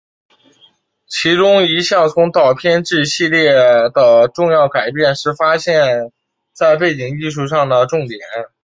其中一项从导片至系列的重要改变是新发现放在背景艺术上的重点。